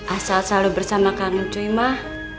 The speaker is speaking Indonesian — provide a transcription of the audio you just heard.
asal selalu bersama kamu cuy mah